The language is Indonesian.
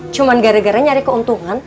cuma gara gara nyari keuntungan